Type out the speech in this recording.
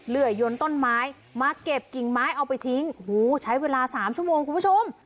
เหลือยนต้นไม้มาเก็บกิ่งไม้เอาไปทิ้งโอ้โหใช้เวลาสามชั่วโมงคุณผู้ชม